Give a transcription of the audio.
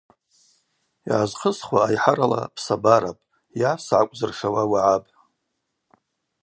Йгӏазхъысхуа айхӏарала псабарапӏ йа сгӏакӏвзыршауа уагӏапӏ.